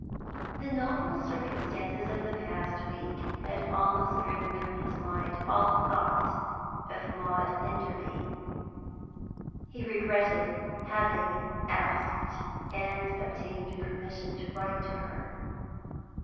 The novel circumstances of the past week had almost driven from his mind all thought of Maud Enderby. He regretted having asked and obtained permission to write to her.